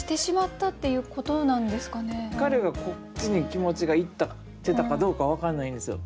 彼がこっちに気持ちがいってたかどうか分からないんですよ。